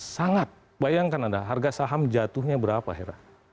sangat bayangkan anda harga saham jatuhnya berapa hera